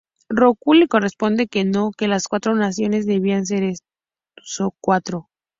Roku le responde que no, que las cuatro naciones debían ser eso: cuatro.